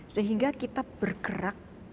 sehingga kita bergerak